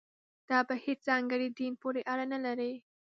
دا په هېڅ ځانګړي دین پورې اړه نه لري.